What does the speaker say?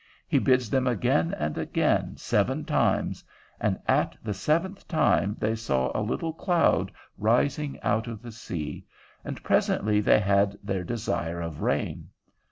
He bids them again and again seven times; and at the seventh time they saw a little cloud rising out of the sea, and presently they had their desire of rain.